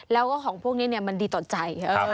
แล้วก็ของพวกนี้มันดีต่อใจ